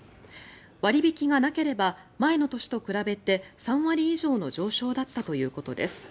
割引がなければ前の年と比べて３割以上の上昇だったということです。